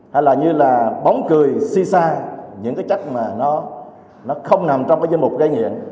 hay là như là bóng cười si sa những cái chất mà nó không nằm trong cái danh mục gây nghiện